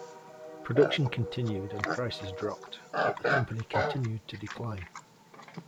Production continued and prices dropped but the company continued to decline.